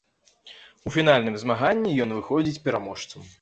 У фінальным змаганні ён выходзіць пераможцам.